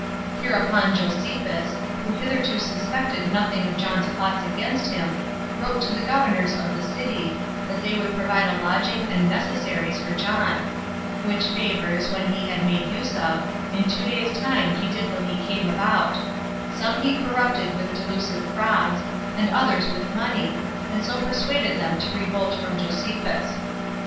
Hereupon Josephus, who hitherto suspected nothing of John's plots against him, wrote to the governors of the city, that they would provide a lodging and necessaries for John; which favors, when he had made use of, in two days' time he did what he came about; some he corrupted with delusive frauds, and others with money, and so persuaded them to revolt from Josephus.